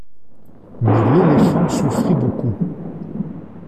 Mais l'éléphant souffrit beaucoup.